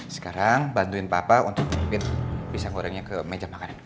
sekarang bantuin papa untuk ngimpin pisang gorengnya ke meja makanan